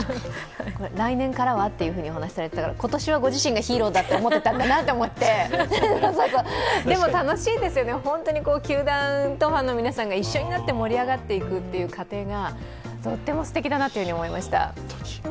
来年からはとお話しされていたから、今年はご自身がヒーローだって思ってたかなって思ってでも楽しいですよね、本当に球団とファンの皆さんが一緒になって盛り上がっていく過程が本当にすてきだなと思いました。